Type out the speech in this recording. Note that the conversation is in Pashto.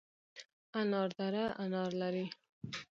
انار دره انار لري؟